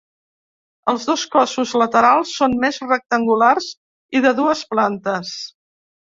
Els dos cossos laterals són més rectangulars i de dues plantes.